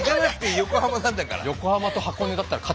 横浜なんだから。